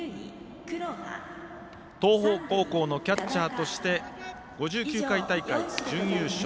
東邦高校のキャッチャーとして５９回大会準優勝。